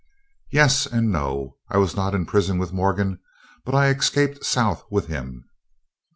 "Yes and no. I was not in prison with Morgan, but I escaped South with him."